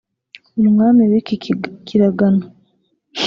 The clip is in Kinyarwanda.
umwami w’iki kiragano